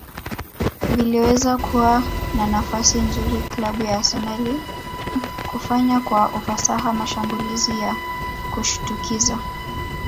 viliweza kuwa na nafasi nzuri klabu ya Arsenal kufanya kwa ufasaha mashambulizi ya kushtukiza